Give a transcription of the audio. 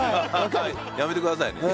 やめてくださいね。